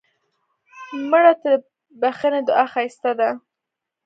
مړه ته د بښنې دعا ښایسته ده